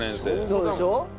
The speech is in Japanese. そうでしょ？